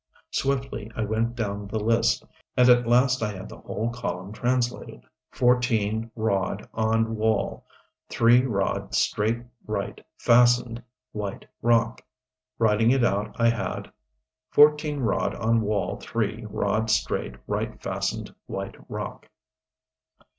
Swiftly I went down the list. And at last I had the whole column translated: fourteen rod on wall three rod straight right fastened white rock Writing it out, I had: Fourteen rod on wall three rod straight right fastened white rock.